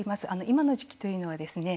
今の時期というのはですね